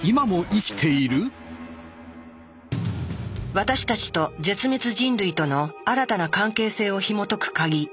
私たちと絶滅人類との新たな関係性をひもとく鍵。